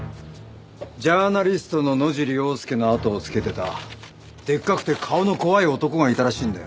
ジャーナリストの野尻要介のあとをつけてたでっかくて顔の怖い男がいたらしいんだよ。